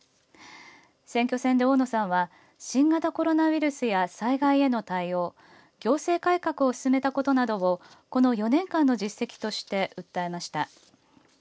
選挙戦で大野さんは新型コロナウイルスや災害への対応、行政改革を進めたことなどをこの４年間の実績として訴えました。